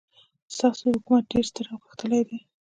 ستاسو حکومت ډېر ستر او غښتلی دی.